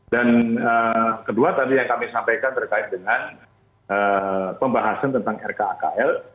dan kedua tadi yang kami sampaikan berkait dengan pembahasan tentang rka kl